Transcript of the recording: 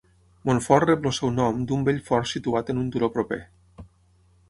Montfort rep el seu nom d'un vell fort situat en un turó proper.